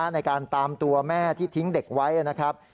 ในการตามตัวแม่ที่ทิ้งเด็กไว้นะครับ